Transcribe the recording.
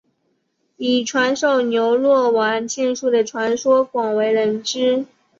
以传授牛若丸剑术的传说广为人知。